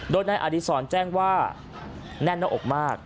โดยนายอดีศรแจ้งว่าแน่นหน้าอกมาก